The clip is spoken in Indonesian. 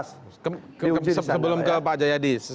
sebelum ke pak jayadi